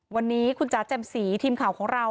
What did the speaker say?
วันนี้คุณจ๋าแจ่มสีทีมข่าวของเรา